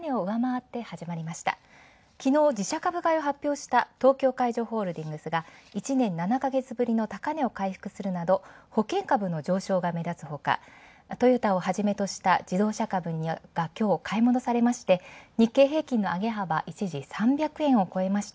きのう自社株買いを発表した東京海上ホールディングスが１年７ヶ月ぶりの高値を回復し上昇が目立つほかトヨタをはじめとした自動車株が買い戻されまして、日経平均の上げ幅、一時３００円をこえました。